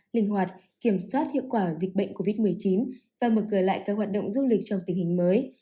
linh hoạt kiểm soát hiệu quả dịch bệnh covid một mươi chín và mở cửa lại các hoạt động du lịch trong tình hình mới